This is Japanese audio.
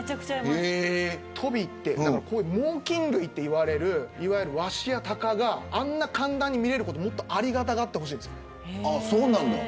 トビって猛禽類といわれるいわゆるワシやタカがあんな簡単に見られることをもっとありがたがってほしいんですよ。